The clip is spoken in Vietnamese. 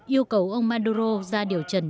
yêu cầu ông maduro ra điều trần